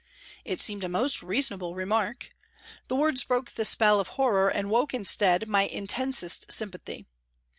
It seemed a most reasonable remark. The words broke the spell of horror and woke instead my intensest sympathy.